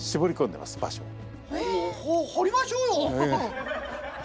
もうほ掘りましょうよ！